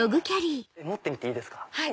持ってみていいですか？